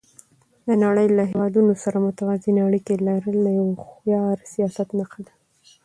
د نړۍ له هېوادونو سره متوازنې اړیکې لرل د یو هوښیار سیاست نښه ده.